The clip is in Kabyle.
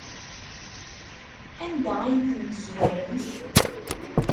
Anda ay ten-tezwaremt?